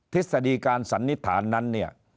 ทฤษฎีการสันนิษฐานนั้นเนี่ย